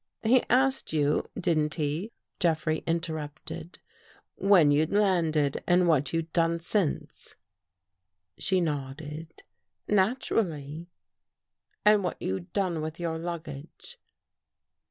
" He asked you, didn't he," Jeffrey interrupted, "when you'd landed and what you'd done since?" She nodded. " Naturally." "And what you'd done with your luggage?"